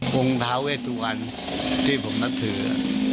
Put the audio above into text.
พรงเท้าเวสวันที่ผมรับถือ